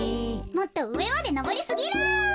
もっとうえまでのぼりすぎる。